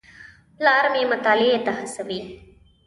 پلار مې مطالعې ته هڅوي.